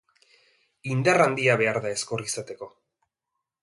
Indar handia behar da ezkor izateko.